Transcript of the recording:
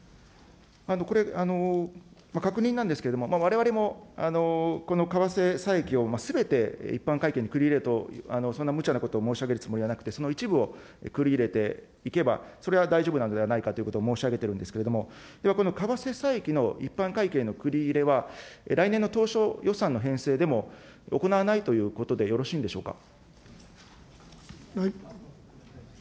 これ、確認なんですけれども、われわれもこの為替差益をすべて一般会計に繰り入れと、そんな無茶なことを申し上げるつもりはなくて、その一部を繰り入れていけば、それは大丈夫なのではないかということを申し上げているんですけれども、ではこの為替差益の一般会計の繰り入れは来年の当初予算の編成でも行わないということでよろしいんでしょうか。